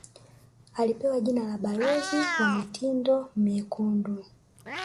Alipewa jina la balozi wa mitindo myekundu